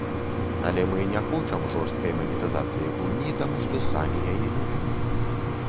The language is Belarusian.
Але мы не хочам жорсткай манетызацыі гульні, таму што самі яе любім.